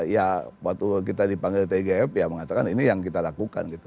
ya waktu kita dipanggil tgf ya mengatakan ini yang kita lakukan gitu